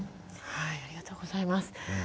ありがとうございます。